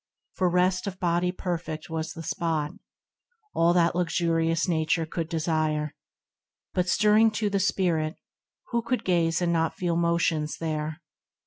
For rest of body perfect was the spot, All that luxurious nature could desire ; But stirring to the spirit ; who could gaze THE RECLUSE 3 And not feel motions there